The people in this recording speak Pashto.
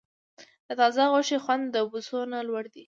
د تازه غوښې خوند د بوسو نه لوړ دی.